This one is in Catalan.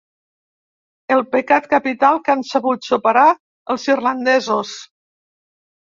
El pecat capital que han sabut superar els irlandesos.